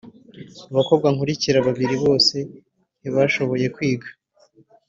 abakobwa nkurikira babiri bose ntibashoboye kwiga